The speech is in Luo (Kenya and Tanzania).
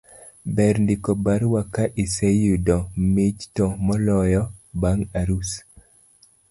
ber ndiko barua ka iseyudo mich to moloyo bang' arus